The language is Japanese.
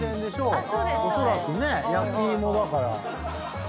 おそらくね焼き芋だから。